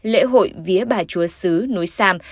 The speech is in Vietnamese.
lễ hội vía bà chúa sứ núi sam